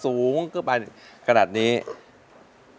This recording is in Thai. สูงมากกระดับเสียงเด็ก